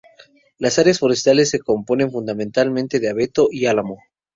Las áreas forestales se componen fundamentalmente de abeto y álamo.